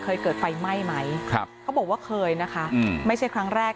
เคยเกิดไฟไหม้ไหมครับเขาบอกว่าเคยนะคะไม่ใช่ครั้งแรก